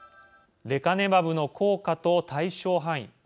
レカネマブの効果と対象範囲。